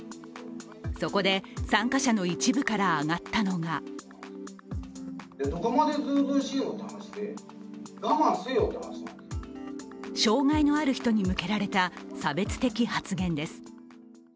そこで参加者の一部から挙がったのが障害のある人に向けられた差別的発言です。